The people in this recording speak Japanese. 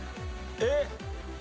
えっ。